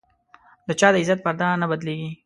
د چا د عزت پرده نه بدلېږي.